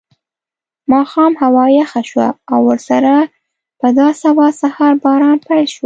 ماښام هوا یخه شوه او ورسره په دا سبا سهار باران پیل شو.